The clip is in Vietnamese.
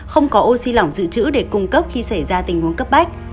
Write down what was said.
không có oxy lỏng dự trữ để cung cấp khi xảy ra tình huống cấp bách